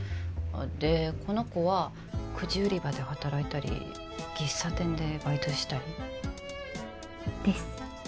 でこの子はくじ売り場で働いたり喫茶店でバイトしたり。です。